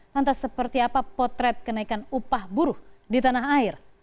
lantas seperti apa potret kenaikan upah buruh di tanah air